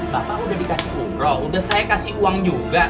bapak udah dikasih umroh udah saya kasih uang juga